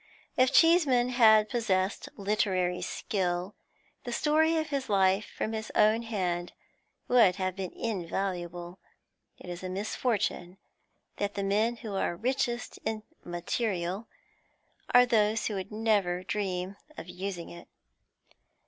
If Cheeseman had possessed literary skill, the story of his life from his own hand would have been invaluable; it is a misfortune that the men who are richest in 'material' are those who would never dream of using it.